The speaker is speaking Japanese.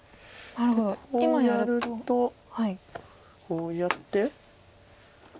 こうやるとこうやって。